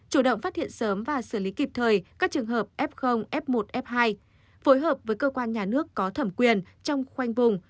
chủ động phát hiện sớm và xử lý kịp thời các trường hợp f f một f hai phối hợp với cơ quan nhà nước có thẩm quyền trong khoanh vùng